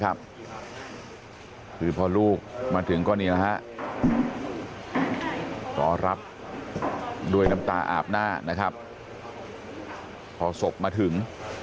กับเกือบ๓ท่อง